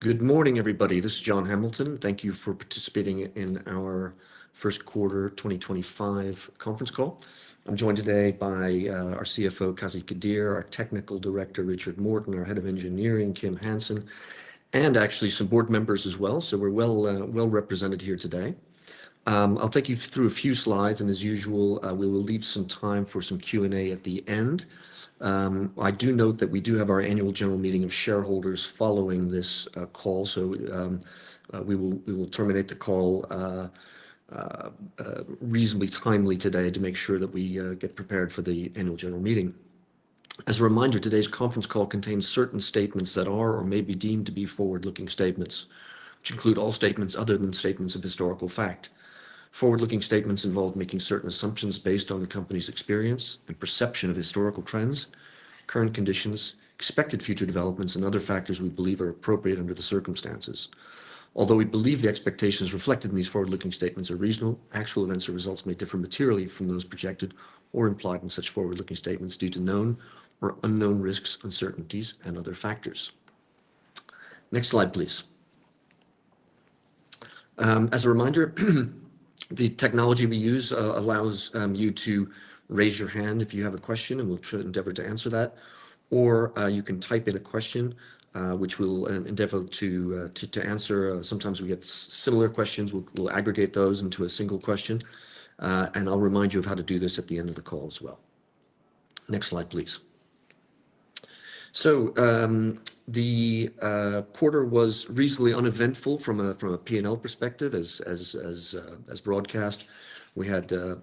Good morning, everybody. This is John Hamilton. Thank you for participating in our First Quarter 2025 Conference Call. I'm joined today by our CFO, Qazi Qadeer, our Technical Director, Richard Morton, our Head of Engineering, Kim Hanson, and actually some board members as well. So we're well represented here today. I'll take you through a few slides, and as usual, we will leave some time for some Q&A at the end. I do note that we do have our Annual General Meeting of shareholders following this call, so we will terminate the call reasonably timely today to make sure that we get prepared for the annual general meeting. As a reminder, today's conference call contains certain statements that are or may be deemed to be forward-looking statements, which include all statements other than statements of historical fact. Forward-looking statements involve making certain assumptions based on the company's experience and perception of historical trends, current conditions, expected future developments, and other factors we believe are appropriate under the circumstances. Although we believe the expectations reflected in these forward-looking statements are reasonable, actual events or results may differ materially from those projected or implied in such forward-looking statements due to known or unknown risks, uncertainties, and other factors. Next slide, please. As a reminder, the technology we use allows you to raise your hand if you have a question, and we'll endeavor to answer that. Or you can type in a question, which we'll endeavor to answer. Sometimes we get similar questions. We'll aggregate those into a single question, and I'll remind you of how to do this at the end of the call as well. Next slide, please. So, the quarter was reasonably uneventful from a P&L perspective, as broadcast. We had a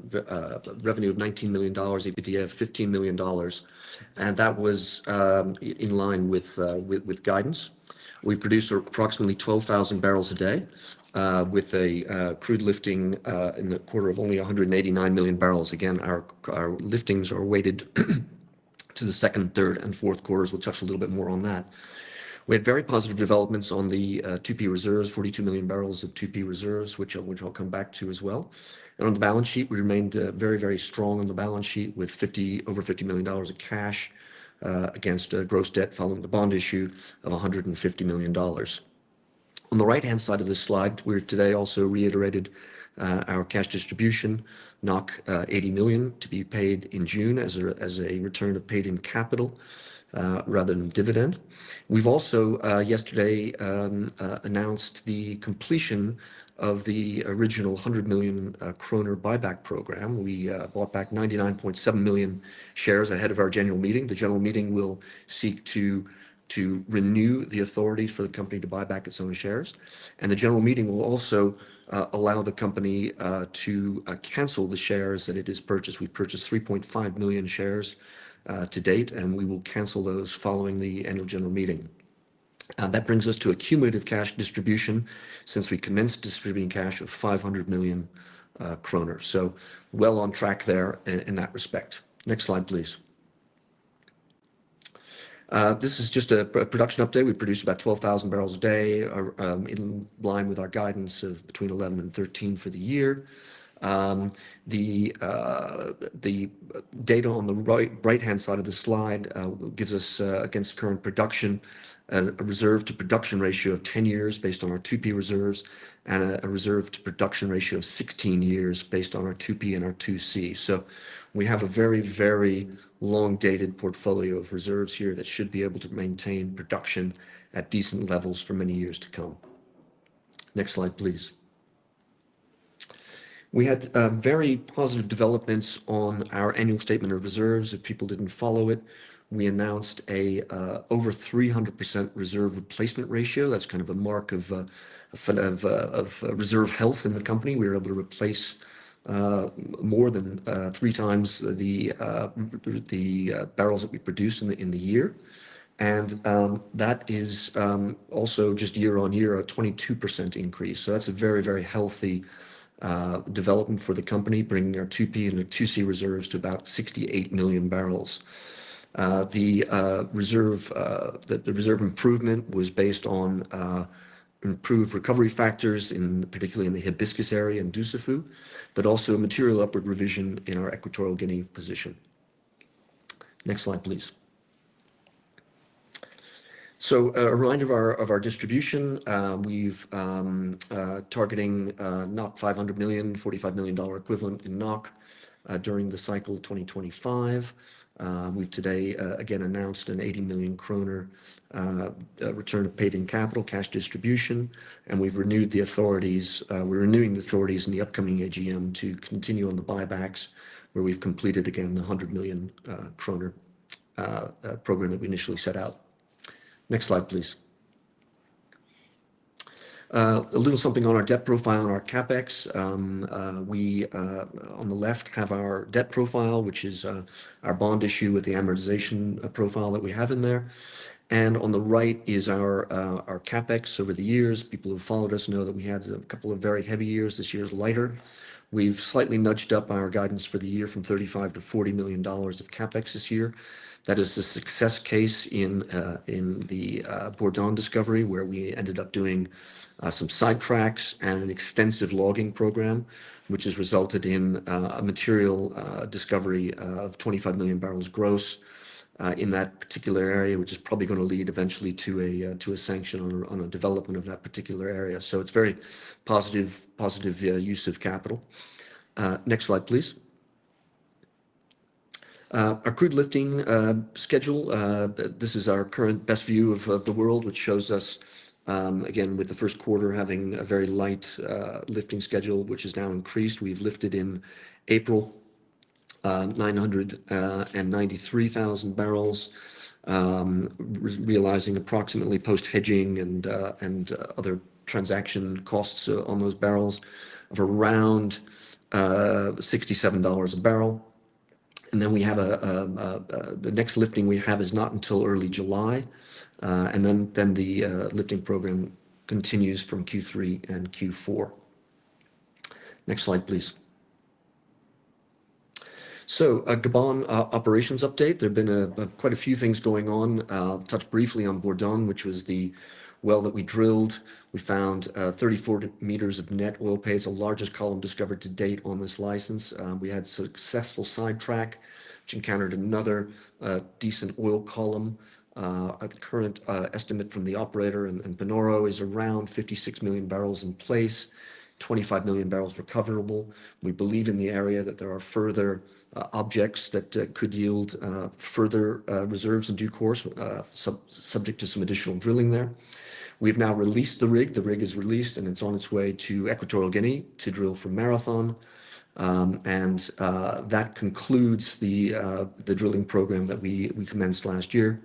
revenue of $19 million, EBITDA of $15 million, and that was in line with guidance. We produced approximately 12,000 barrels a day with a crude lifting in the quarter of only 189 million barrels. Again, our liftings are weighted to the second, third, and fourth quarters. We'll touch a little bit more on that. We had very positive developments on the 2P reserves, 42 million barrels of 2P reserves, which I'll come back to as well. On the balance sheet, we remained very, very strong on the balance sheet with over $50 million of cash against gross debt following the bond issue of $150 million. On the right-hand side of this slide, we today also reiterated our cash distribution, 80 million, to be paid in June as a return of paid-in capital rather than dividend. We have also yesterday announced the completion of the original 100 million kroner buyback program. We bought back 99.7 million shares ahead of our general meeting. The general meeting will seek to renew the authorities for the company to buy back its own shares. The general meeting will also allow the company to cancel the shares that it has purchased. We have purchased 3.5 million shares to date, and we will cancel those following the annual general meeting. That brings us to accumulative cash distribution since we commenced distributing cash of 500 million kroner. So well on track there in that respect. Next slide, please. This is just a production update. We produced about 12,000 barrels a day in line with our guidance of between 11 and 13 for the year. The data on the right-hand side of the slide gives us, against current production, a reserve-to-production ratio of 10 years based on our 2P reserves and a reserve-to-production ratio of 16 years based on our 2P and our 2C. So, we have a very, very long-dated portfolio of reserves here that should be able to maintain production at decent levels for many years to come. Next slide, please. We had very positive developments on our annual statement of reserves. If people did not follow it, we announced an over 300% reserve replacement ratio. That is kind of a mark of reserve health in the company. We were able to replace more than 3x the barrels that we produced in the year. That is also just year-on-year a 22% increase. That's a very, very healthy development for the company, bringing our 2P and our 2C reserves to about 68 million barrels. The reserve improvement was based on improved recovery factors, particularly in the Hibiscus area in Dussafu, but also a material upward revision in our Equatorial Guinea position. Next slide, please. A reminder of our distribution. We've targeting 500 million, $45 million equivalent in NOK during the cycle of 2025. We've today again announced an 80 million kroner return of paid-in capital, cash distribution, and we've renewed the authorities. We're renewing the authorities in the upcoming AGM to continue on the buybacks where we've completed again the 100 million kroner program that we initially set out. Next slide, please. A little something on our debt profile and our CapEx. We on the left have our debt profile, which is our bond issue with the amortization profile that we have in there. On the right is our CapEx over the years. People who followed us know that we had a couple of very heavy years. This year is lighter. We've slightly nudged up our guidance for the year from $35 million-$40 million of CapEx this year. That is the success case in the Bourdon discovery where we ended up doing some sidetracks and an extensive logging program, which has resulted in a material discovery of 25 million barrels gross in that particular area, which is probably going to lead eventually to a sanction on a development of that particular area. It's very positive use of capital. Next slide, please. Our crude lifting schedule. This is our current best view of the world, which shows us again with the first quarter having a very light lifting schedule, which has now increased. We've lifted in April 993,000 barrels, realizing approximately post-hedging and other transaction costs on those barrels of around $67 a barrel. The next lifting we have is not until early July. The lifting program continues from Q3 and Q4. Next slide, please. So, a Gabon operations update. There have been quite a few things going on. I'll touch briefly on Bourdon, which was the well that we drilled. We found 34 meters of net oil pay. It's the largest column discovered to date on this license. We had a successful sidetrack, which encountered another decent oil column. The current estimate from the operator and Panoro is around 56 million barrels in place, 25 million barrels recoverable. We believe in the area that there are further objects that could yield further reserves in due course, subject to some additional drilling there. We've now released the rig. The rig is released, and it's on its way to Equatorial Guinea to drill for Marathon Oil. That concludes the drilling program that we commenced last year.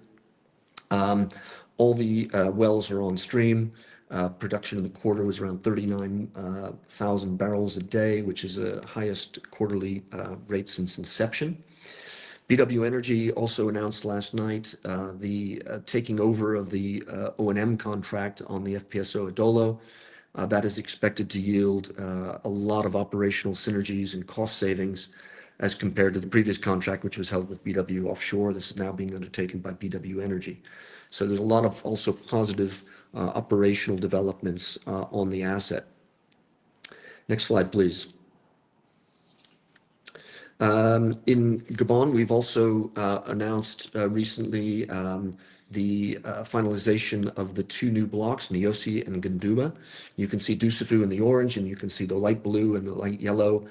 All the wells are on stream. Production in the quarter was around 39,000 barrels a day, which is the highest quarterly rate since inception. BW Energy also announced last night the taking over of the O&M contract on the FPSO Adolo. That is expected to yield a lot of operational synergies and cost savings as compared to the previous contract, which was held with BW Offshore. This is now being undertaken by BW Energy. There are also a lot of positive operational developments on the asset. Next slide, please. In Gabon, we've also announced recently the finalization of the two new blocks, Niosi and Guduma. You can see Dussafu in the orange, and you can see the light blue and the light yellow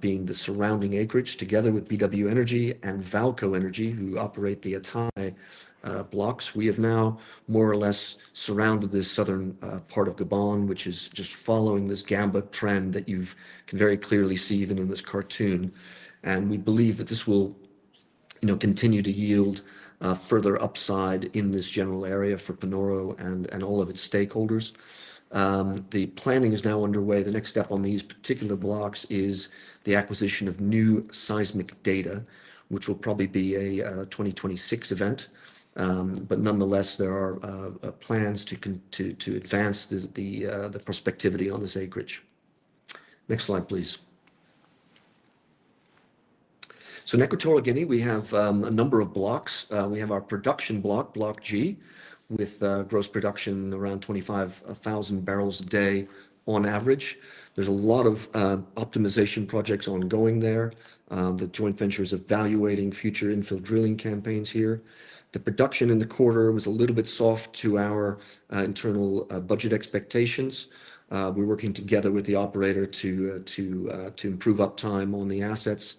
being the surrounding acreage together with BW Energy and Vaalco Energy, who operate the Etame blocks. We have now more or less surrounded this southern part of Gabon, which is just following this Gamba trend that you can very clearly see even in this cartoon. We believe that this will continue to yield further upside in this general area for Panoro and all of its stakeholders. The planning is now underway. The next step on these particular blocks is the acquisition of new seismic data, which will probably be a 2026 event. Nonetheless, there are plans to advance the prospectivity on this acreage. Next slide, please. In Equatorial Guinea, we have a number of blocks. We have our production block, Block G, with gross production around 25,000 barrels a day on average. There is a lot of optimization projects ongoing there. The joint venture is evaluating future infill drilling campaigns here. The production in the quarter was a little bit soft to our internal budget expectations. We are working together with the operator to improve uptime on the assets.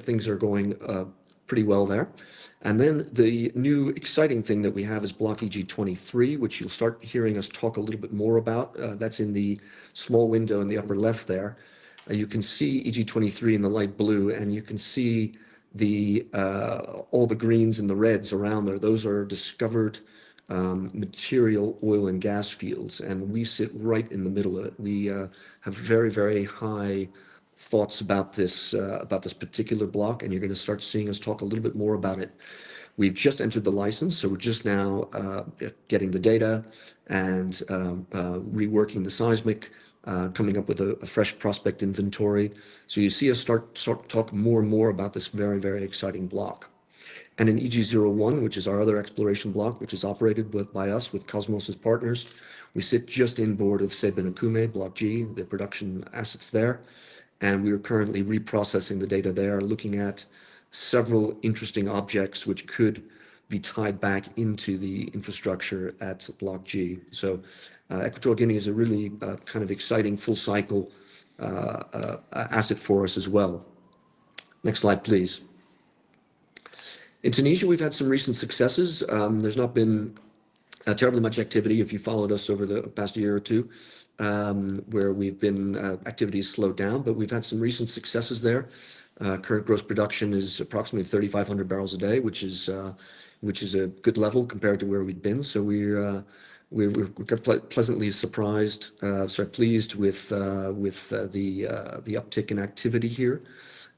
Things are going pretty well there. The new exciting thing that we have is Block EG-23, which you will start hearing us talk a little bit more about. That is in the small window in the upper left there. You can see EG-23 in the light blue, and you can see all the greens and the reds around there. Those are discovered material oil and gas fields, and we sit right in the middle of it. We have very, very high thoughts about this particular block, and you're going to start seeing us talk a little bit more about it. We've just entered the license, so we're just now getting the data and reworking the seismic, coming up with a fresh prospect inventory. You see us start talking more and more about this very, very exciting block. In EG-01, which is our other exploration block, which is operated by us with Kosmos as partners, we sit just inboard of Ceiba and Okume, Block G, the production assets there. We are currently reprocessing the data there, looking at several interesting objects which could be tied back into the infrastructure at Block G. Equatorial Guinea is a really kind of exciting full-cycle asset for us as well. Next slide, please. In Tunisia, we've had some recent successes. There's not been terribly much activity, if you followed us over the past year or two, where we've been, activity has slowed down, but we've had some recent successes there. Current gross production is approximately 3,500 barrels a day, which is a good level compared to where we've been. We're pleasantly surprised, sorry, pleased with the uptick in activity here.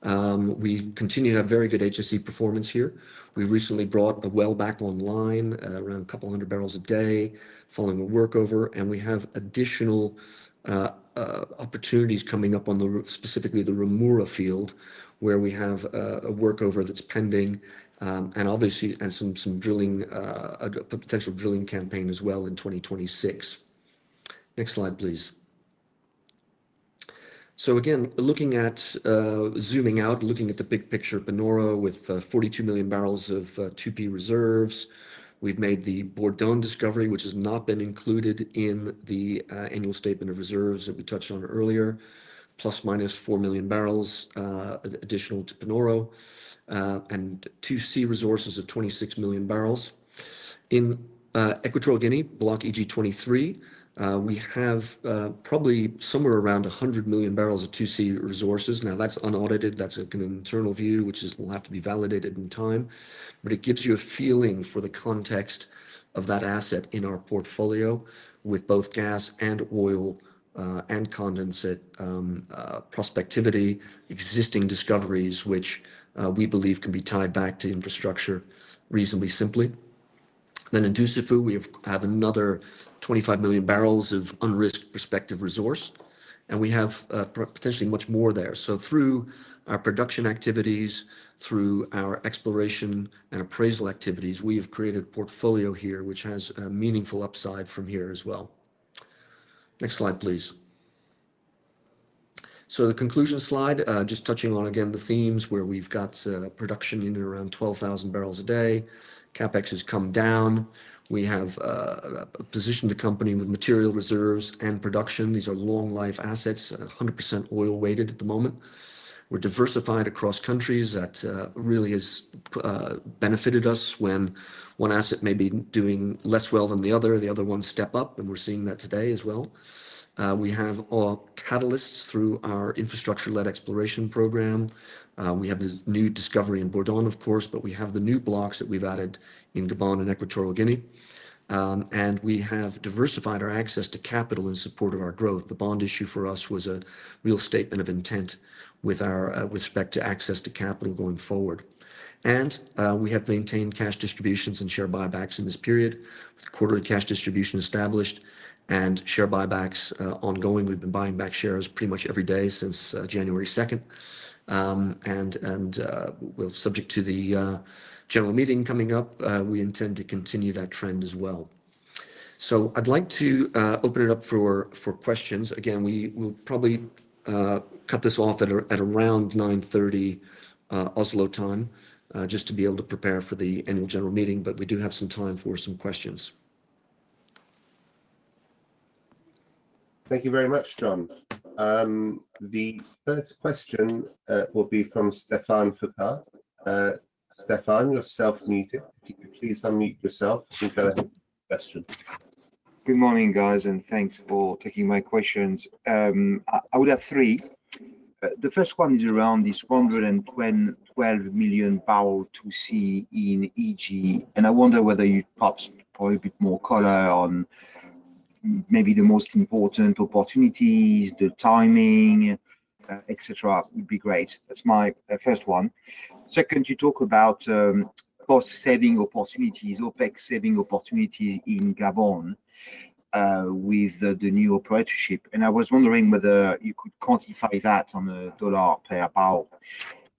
We continue to have very good HSE performance here. We recently brought a well back online around a couple 100 barrels a day following a workover, and we have additional opportunities coming up on specifically the Ramura field where we have a workover that's pending and obviously some potential drilling campaign as well in 2026. Next slide, please. Again, looking at zooming out, looking at the big picture, Panoro with 42 million barrels of 2P reserves. We've made the Bourdon discovery, which has not been included in the annual statement of reserves that we touched on earlier, ±4 million barrels additional to Panoro and 2C resources of 26 million barrels. In Equatorial Guinea, Block EG-23, we have probably somewhere around 100 million barrels of 2C resources. Now, that's unaudited. That's an internal view, which will have to be validated in time. It gives you a feeling for the context of that asset in our portfolio with both gas and oil and condensate prospectivity, existing discoveries, which we believe can be tied back to infrastructure reasonably simply. In Dussafu, we have another 25 million barrels of unrisked prospective resource, and we have potentially much more there. Through our production activities, through our exploration and appraisal activities, we have created a portfolio here, which has a meaningful upside from here as well. Next slide, please. The conclusion slide, just touching on again the themes where we've got production in and around 12,000 barrels a day. CapEx has come down. We have positioned the company with material reserves and production. These are long-life assets, 100% oil-weighted at the moment. We're diversified across countries that really has benefited us when one asset may be doing less well than the other, the other one step up, and we're seeing that today as well. We have all catalysts through our infrastructure-led exploration program. We have this new discovery in Bourdon, of course, but we have the new blocks that we've added in Gabon and Equatorial Guinea. We have diversified our access to capital in support of our growth. The bond issue for us was a real statement of intent with respect to access to capital going forward. We have maintained cash distributions and share buybacks in this period, with quarterly cash distribution established and share buybacks ongoing. We have been buying back shares pretty much every day since January 2nd. We have subject to the general meeting coming up, we intend to continue that trend as well. So, I would like to open it up for questions. Again, we will probably cut this off at around 9:30 A.M. Oslo time just to be able to prepare for the annual general meeting, but we do have some time for some questions. Thank you very much, John. The first question will be from Stefan Feka. Stefan, you are self-muted. Can you please unmute yourself and go ahead with your question? Good morning, guys, and thanks for taking my questions. I would have three. The first one is around this 112 million barrel 2C in EG. I wonder whether you could probably add a bit more color on maybe the most important opportunities, the timing, etc. It would be great. That is my first one. Second, you talk about cost-saving opportunities, OpEx saving opportunities in Gabon with the new operatorship. I was wondering whether you could quantify that on a dollar per barrel.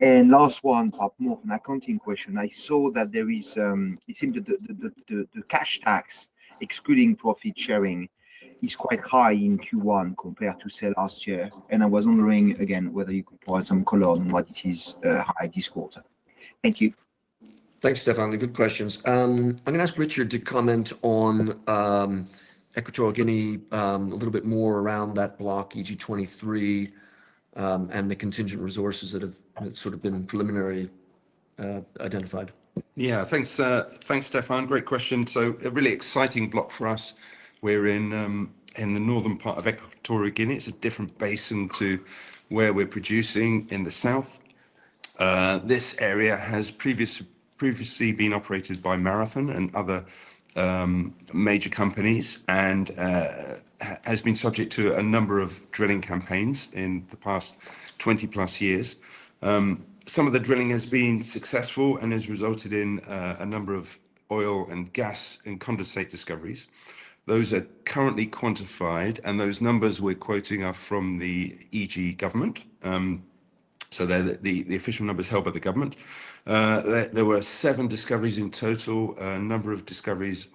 Last one, more of an accounting question. I saw that there is, it seemed that the cash tax, excluding profit sharing, is quite high in Q1 compared to last year. I was wondering again whether you could provide some color on why it is high this quarter. Thank you. Thanks, Stefan. Good questions. I am going to ask Richard to comment on Equatorial Guinea a little bit more around that Block EG-23, and the contingent resources that have sort of been preliminarily identified. Yeah, thanks, Stefan. Great question. A really exciting block for us. We're in the northern part of Equatorial Guinea. It's a different basin to where we're producing in the south. This area has previously been operated by Marathon Oil and other major companies and has been subject to a number of drilling campaigns in the past 20+years. Some of the drilling has been successful and has resulted in a number of oil and gas and condensate discoveries. Those are currently quantified, and those numbers we're quoting are from the EG government. The official numbers are held by the government. There were 7 discoveries in total, a number of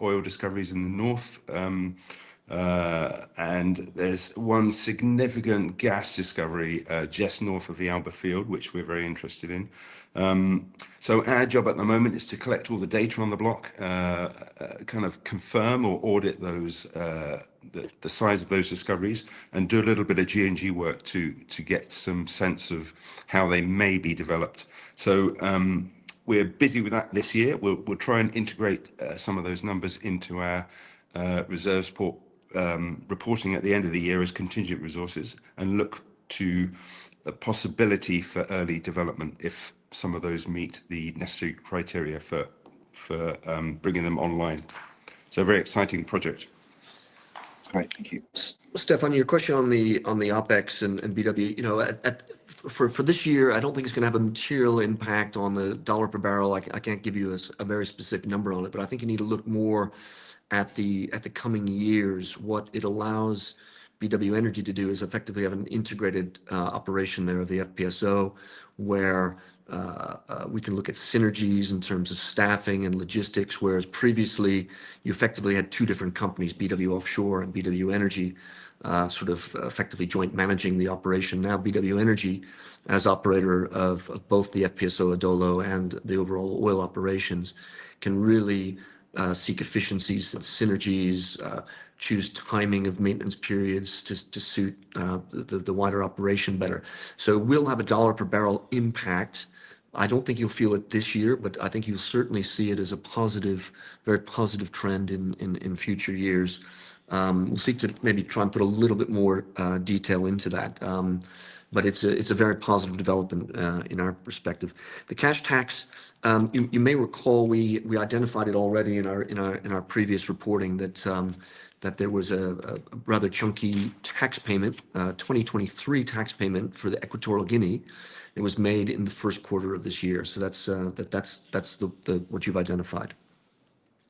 oil discoveries in the north. There's one significant gas discovery just north of the Alba field, which we're very interested in. Our job at the moment is to collect all the data on the block, kind of confirm or audit the size of those discoveries, and do a little bit of G&G work to get some sense of how they may be developed. We're busy with that this year. We'll try and integrate some of those numbers into our reserves reporting at the end of the year as contingent resources and look to the possibility for early development if some of those meet the necessary criteria for bringing them online. A very exciting project. All right, thank you. Stefan, your question on the OPEX and BW, for this year, I don't think it's going to have a material impact on the dollar per barrel. I can't give you a very specific number on it, but I think you need to look more at the coming years. What it allows BW Energy to do is effectively have an integrated operation there of the FPSO, where we can look at synergies in terms of staffing and logistics, whereas previously you effectively had two different companies, BW Offshore and BW Energy, sort of effectively joint managing the operation. Now, BW Energy, as operator of both the FPSO Adolo and the overall oil operations, can really seek efficiencies, synergies, choose timing of maintenance periods to suit the wider operation better. We will have a dollar per barrel impact. I do not think you will feel it this year, but I think you will certainly see it as a very positive trend in future years. We will seek to maybe try and put a little bit more detail into that. It is a very positive development in our perspective. The cash tax, you may recall we identified it already in our previous reporting that there was a rather chunky tax payment, 2023 tax payment for Equatorial Guinea. It was made in the first quarter of this year. That is what you have identified.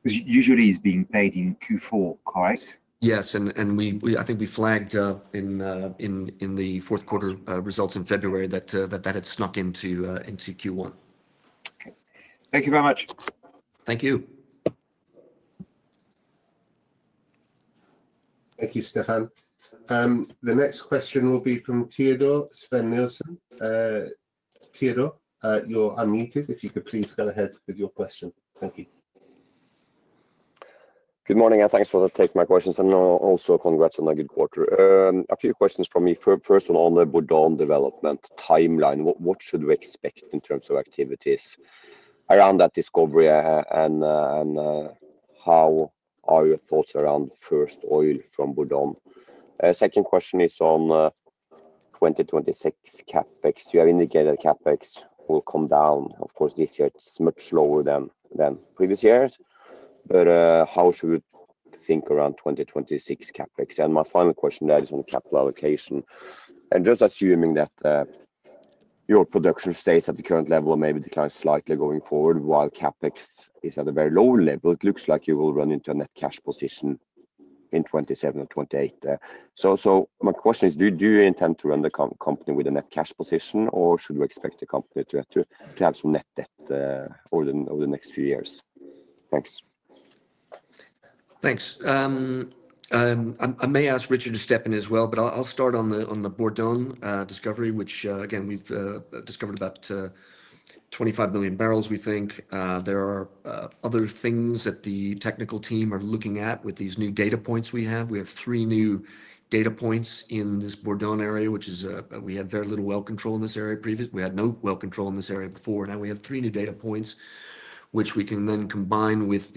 Usually, it is being paid in Q4, correct? Yes. I think we flagged in the fourth quarter results in February that that had snuck into Q1. Thank you very much. Thank you. Thank you, Stefan. The next question will be from Teodor Sveen-Nilsen. Teodor, you are unmuted. If you could please go ahead with your question. Thank you. Good morning. Thanks for taking my questions. Also, congrats on a good quarter. A few questions from me. First one on the Bourdon development timeline. What should we expect in terms of activities around that discovery? How are your thoughts around first oil from Bourdon? Second question is on 2026 CapEx. You have indicated CapEx will come down. Of course, this year it is much lower than previous years. How should we think around 2026 CapEx? My final question there is on capital allocation. Just assuming that your production stays at the current level and maybe declines slightly going forward, while CapEx is at a very low level, it looks like you will run into a net cash position in 2027 or 2028. So, my question is, do you intend to run the company with a net cash position, or should we expect the company to have some net debt over the next few years? Thanks. Thanks. I may ask Richard to step in as well, but I will start on the Bourdon discovery, which, again, we have discovered about 25 million barrels, we think. There are other things that the technical team are looking at with these new data points we have. We have three new data points in this Bourdon area, which is we had very little well control in this area. We had no well control in this area before. Now we have three new data points, which we can then combine with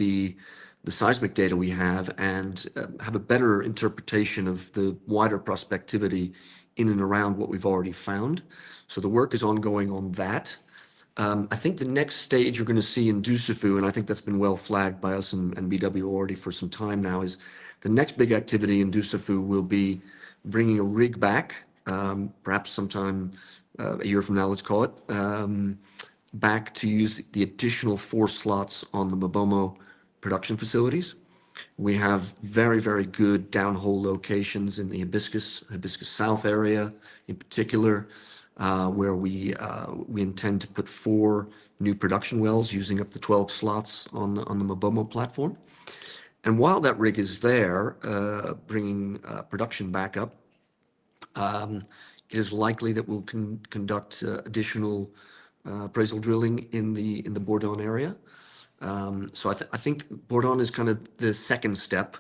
the seismic data we have and have a better interpretation of the wider prospectivity in and around what we've already found. The work is ongoing on that. I think the next stage you're going to see in Dussafu, and I think that's been well flagged by us and BW already for some time now, is the next big activity in Dussafu will be bringing a rig back, perhaps sometime a year from now, let's call it, back to use the additional four slots on the MaBoMo production facilities. We have very, very good down-hole locations in the Hibiscus South area, in particular, where we intend to put four new production wells using up to 12 slots on the MaBoMo platform. While that rig is there, bringing production back up, it is likely that we'll conduct additional appraisal drilling in the Bourdon area. I think Bourdon is kind of the second step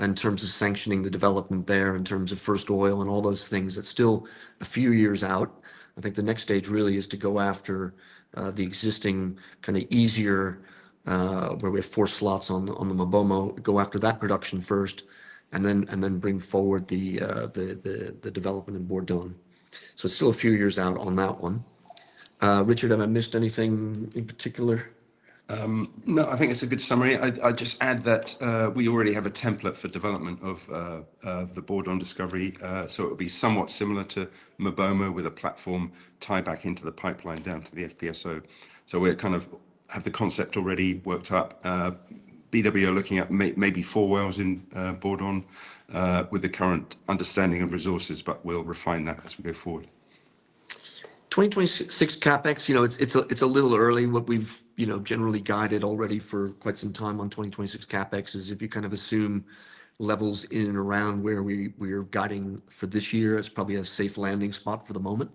in terms of sanctioning the development there in terms of first oil and all those things. It is still a few years out. I think the next stage really is to go after the existing kind of easier, where we have four slots on the MaBoMo, go after that production first, and then bring forward the development in Bourdon. It is still a few years out on that one. Richard, have I missed anything in particular? No, I think it's a good summary. I'll just add that we already have a template for development of the Bourdon discovery. It will be somewhat similar to MaBoMo with a platform tie back into the pipeline down to the FPSO. We kind of have the concept already worked up. BW are looking at maybe four wells in Bourdon with the current understanding of resources, but we'll refine that as we go forward. 2026 CapEx, it's a little early. What we've generally guided already for quite some time on 2026 CapEx is if you kind of assume levels in and around where we are guiding for this year, it's probably a safe landing spot for the moment.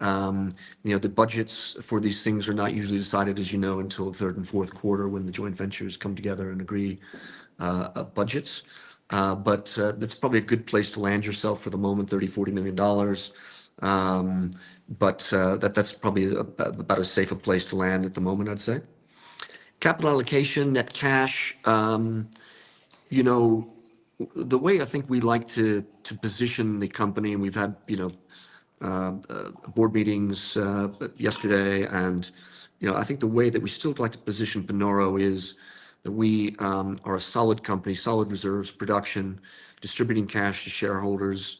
The budgets for these things are not usually decided, as you know, until the third and fourth quarter when the joint ventures come together and agree on budgets. That's probably a good place to land yourself for the moment, $30 million-$40 million. But that's probably about a safer place to land at the moment, I'd say. Capital allocation, net cash. The way I think we like to position the company, and we've had board meetings yesterday. I think the way that we still like to position Panoro is that we are a solid company, solid reserves, production, distributing cash to shareholders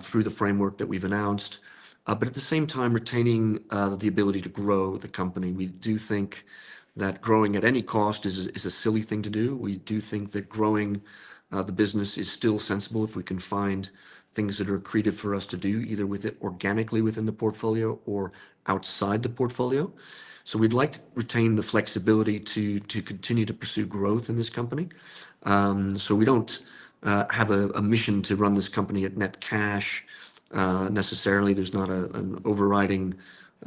through the framework that we've announced. At the same time, retaining the ability to grow the company. We do think that growing at any cost is a silly thing to do. We do think that growing the business is still sensible if we can find things that are creative for us to do, either organically within the portfolio or outside the portfolio. We'd like to retain the flexibility to continue to pursue growth in this company. So we don't have a mission to run this company at net cash necessarily. There's not an overriding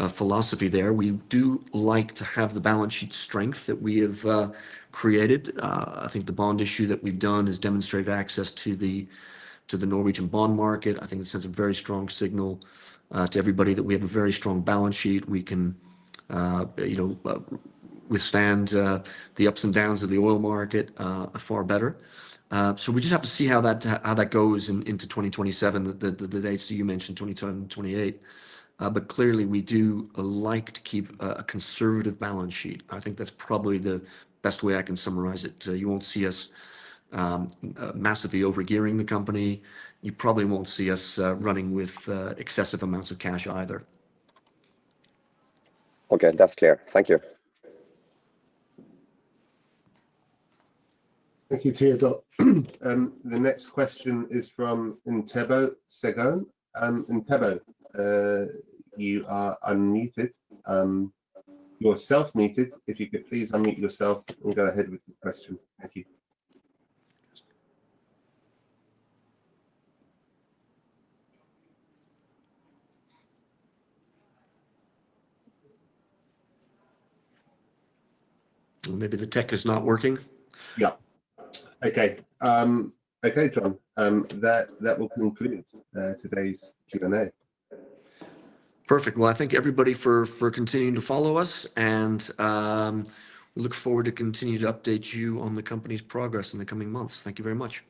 philosophy there. We do like to have the balance sheet strength that we have created. I think the bond issue that we've done has demonstrated access to the Norwegian bond market. I think it sends a very strong signal to everybody that we have a very strong balance sheet. We can withstand the ups and downs of the oil market far better. We just have to see how that goes into 2027, the dates that you mentioned, 2027 and 2028. Clearly, we do like to keep a conservative balance sheet. I think that's probably the best way I can summarize it. You won't see us massively over-gearing the company. You probably will not see us running with excessive amounts of cash either. Okay, that is clear. Thank you. Thank you, Teodor. The next question is from Ntebogang Segone. Ntebogang, you are unmuted. Yourself muted. If you could please unmute yourself and go ahead with the question. Thank you. Maybe the tech is not working. Yeah. Okay. Okay, John. That will conclude today's Q&A. Perfect. I thank everybody for continuing to follow us. We look forward to continued updates on the company's progress in the coming months. Thank you very much.